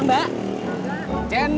cendol manis dingin